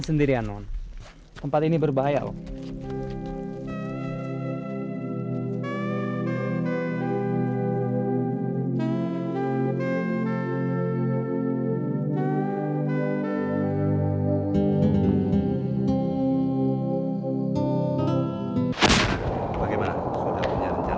sampai jumpa di video selanjutnya